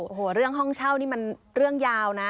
โอ้โหเรื่องห้องเช่านี่มันเรื่องยาวนะ